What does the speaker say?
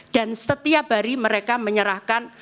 dan setiap hari mereka menyerahkan